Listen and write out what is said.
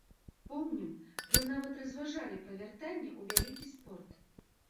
Помнім, вы нават разважалі пра вяртанне ў вялікі спорт.